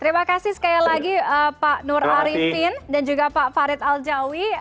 terima kasih sekali lagi pak nur arifin dan juga pak farid aljawi